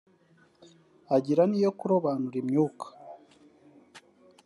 agira niyo kurobanura imyuka